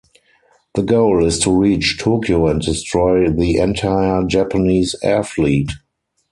The goal is to reach Tokyo and destroy the entire Japanese air fleet.